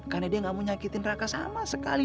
karena dia gak mau nyakitin raka sama sekali